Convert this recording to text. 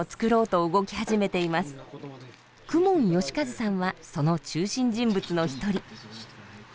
公文喜一さんはその中心人物の一人。